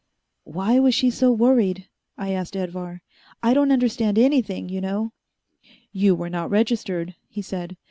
"Why was she so worried?" I asked Edvar. "I don't understand anything, you know." "You were not registered," he said.